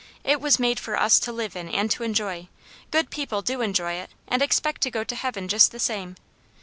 It was made for us to live in and to enjoy. Good people do enjoy it, and expect to go to heaven just the same.